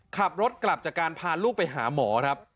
ขับรถกลับจากการพาลูกไปหาหมอครับ